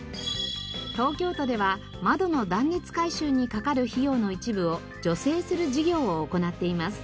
東京都では窓の断熱改修にかかる費用の一部を助成する事業を行っています。